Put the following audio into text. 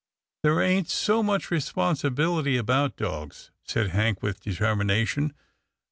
" There ain't so much responsibility about dogs," said Hank with determination.